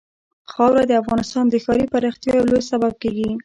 خاوره د افغانستان د ښاري پراختیا یو لوی سبب کېږي.